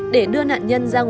để đưa nạn nhân ra đường